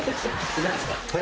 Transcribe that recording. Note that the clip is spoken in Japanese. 何ですか？